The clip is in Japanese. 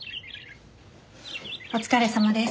お疲れさまです。